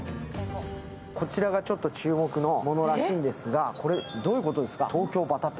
こちらが注目のものらしいんですが、これ、どういうことですか、東京バタ天。